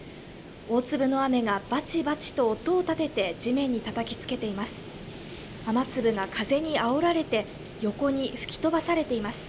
大粒の雨がばちばちと音を立てて地面にたたきつけています。